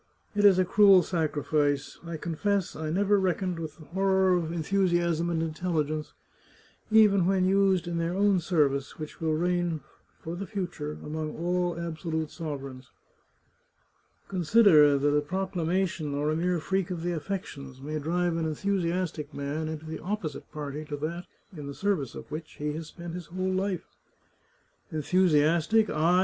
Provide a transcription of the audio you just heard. " It is a cruel sacrifice. I confess I never reckoned with the horror of enthusiasm and intelligence, even when used in their own service, which will reign for the future among all absolute sovereigns." " Consider that a proclamation, or a mere freak of the affections, may drive an enthusiastic man into the opposite party to that in the service of which he has spent his whole life." " Enthusiastic ! I !